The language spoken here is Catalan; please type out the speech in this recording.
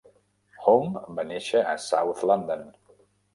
Home va néixer a South London.